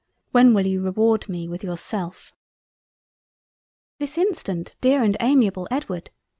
when will you reward me with Yourself?" "This instant, Dear and Amiable Edward."